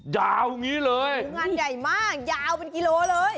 ยาวอย่างนี้เลยงานใหญ่มากยาวเป็นกิโลเลย